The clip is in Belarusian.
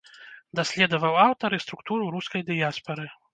Даследаваў аўтар і структуру рускай дыяспары.